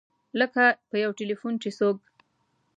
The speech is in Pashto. لکه په یو ټیلفون چې څوک.